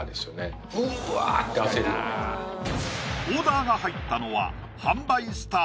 オーダーが入ったのはおっ来た？